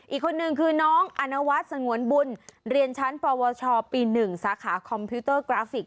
อีกคนนึงคือน้องอนวัฒน์สงวนบุญเรียนชั้นปวชปี๑สาขาคอมพิวเตอร์กราฟิก